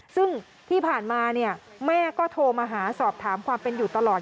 ซึ่งที่ผ่านมาเนี่ยแม่ก็โทรมาหาสอบถามความเป็นอยู่ตลอด